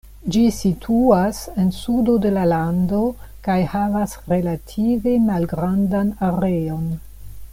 Ĝi situas en sudo de la lando kaj havas relative malgrandan areon.